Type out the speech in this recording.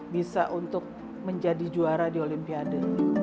bisa untuk menjadi juara di olimpiade